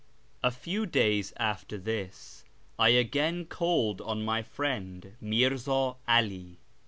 A few days after this I again called on my friend Mirza 'All.